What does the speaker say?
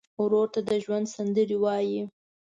ورور ته د ژوند سندرې وایې.